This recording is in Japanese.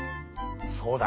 そうだ！